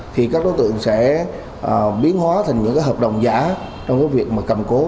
thì các đối tượng sẽ biến hóa thành những hợp đồng giá trong cái việc mà cầm cố